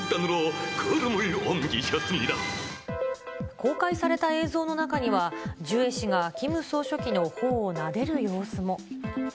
公開された映像の中には、ジュエ氏がキム総書記のほおをなでる様子も。